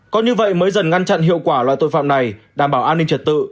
có như vậy mới dần ngăn chặn hiệu quả loại tội phạm này đảm bảo an ninh trật tự